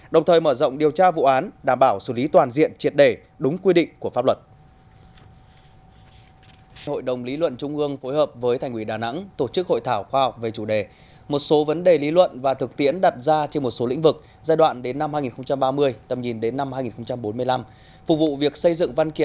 đồng thời mở rộng điều tra vụ án đảm bảo xử lý toàn diện triệt đề đúng quy định của pháp luật